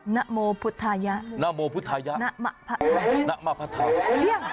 นะโมพุทธายะนะโมพุทธายะนะมะพัทธานะมะพัทธาเรียง